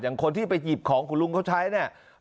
คนที่ไปหยิบของคุณลุงเขาใช้เนี่ย